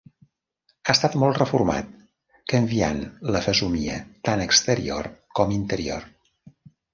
Ha estat molt reformat, canviant la fesomia tant exterior com interior.